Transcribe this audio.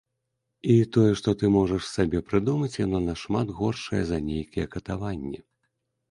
І тое, што ты можаш сабе прыдумаць, яно нашмат горшае за нейкія катаванні.